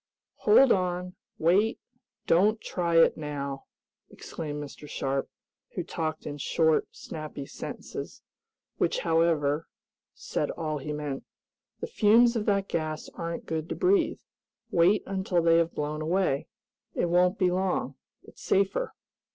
"Hold on! Wait! Don't try it now!" exclaimed Mr. Sharp, who talked in short, snappy sentences, which, however, said all he meant. "The fumes of that gas aren't good to breathe. Wait, until they have blown away. It won't be long. It's safer."